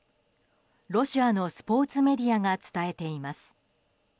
ロシアのスポーツメディアが伝えています。